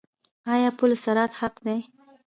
آیا پل صراط حق دی؟